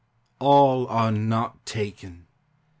A LL are not taken !